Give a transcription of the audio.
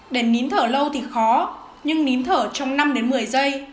để nín thở lâu thì khó nhưng nín thở trong năm một mươi giây